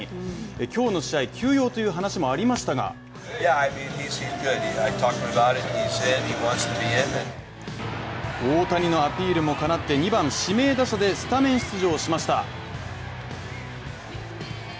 今日の試合、休養という話もありましたが大谷のアピールもかなって２番・指名打者でスタメン出場しました。